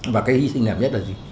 và cái hy sinh này biết là gì